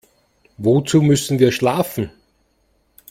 Wozu müssen wir schlafen?